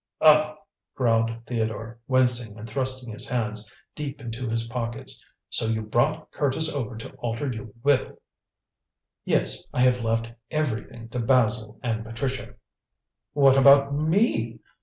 "Oh!" growled Theodore, wincing and thrusting his hands deep into his pockets; "so you brought Curtis over to alter your will!" "Yes! I have left everything to Basil and Patricia!" "What about me?"